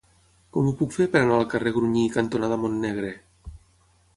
Com ho puc fer per anar al carrer Grunyí cantonada Montnegre?